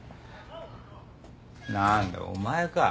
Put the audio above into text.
何だお前か。